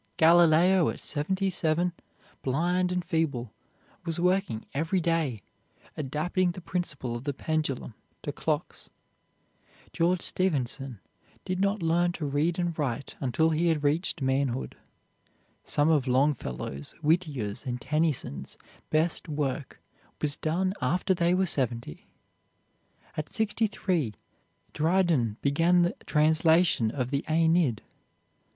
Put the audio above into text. Galileo at seventy seven, blind and feeble, was working every day, adapting the principle of the pendulum to clocks. George Stephenson did not learn to read and write until he had reached manhood. Some of Longfellow's, Whittier's, and Tennyson's best work was done after they were seventy. At sixty three Dryden began the translation of the "Aeneid."